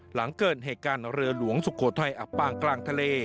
หลังเกิดเหตุการณ์เรือหลวงสุโขทัยอับปางกลางทะเล